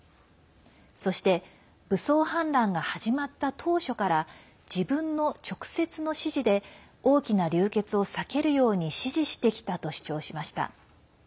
そして、武装反乱が始まった当初から自分の直接の指示で大きな流血を避けるように指示してきたと主張しました。